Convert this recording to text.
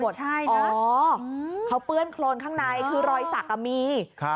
ใช่นะอ๋อเขาเปื้อนโครนข้างในคือรอยสักมีครับ